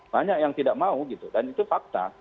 banyak yang tidak mau gitu dan itu fakta